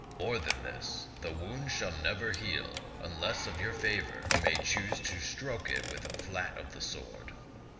More than this, the wound shall never heal unless of your favor you may choose to stroke it with the flat of the sword.